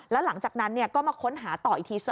แล้วหลังจากนั้นก็มาค้นหาต่ออีกที